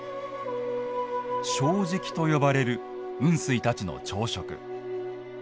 小食と呼ばれる雲水たちの朝食。